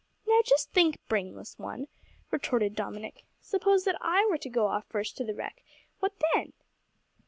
"Now, just think, brainless one," retorted Dominick; "suppose that I were to go off first to the wreck, what then?"